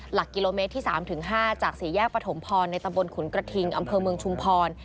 หลักกิโลเมตรที่๓๕จากสี่แยกปฐมพรในตำบลขุนกระทิงอำเภอเมืองชุมพร